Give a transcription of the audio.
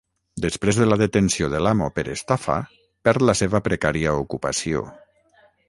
Després de la detenció de l'amo per estafa perd la seva precària ocupació.